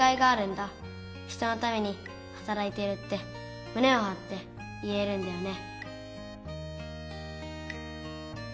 人のためにはたらいてるってむねをはって言えるんだよね。